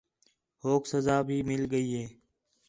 ہوک سزا بھی مِل ڳئی ہے